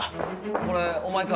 これお前か？